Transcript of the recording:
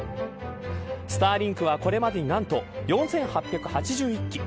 スターリンクはこれまでに何と４８８１機。